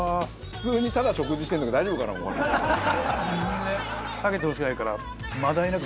普通にただ食事してるんだけど大丈夫かな。